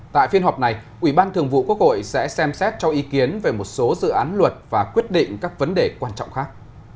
tại phiên họp này ủy ban thường vụ quốc hội sẽ xem xét cho ý kiến về một số dự án luật và quyết định các vấn đề quan trọng khác